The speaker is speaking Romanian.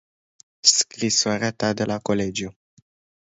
Scrisoarea ta de la colegiu.